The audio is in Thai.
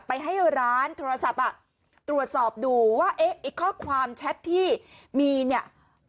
ไปให้ร้านโทรศัพท์ตรวจสอบดูว่าข้อความแชทที่มีเนี่ย